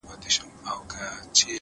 نیک چلند د دوستۍ ریښې ژوروي,